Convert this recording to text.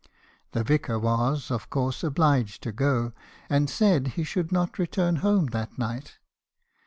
The vicar was , of course , obliged to go , and said he should not re turn home that night.